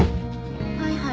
はいはい。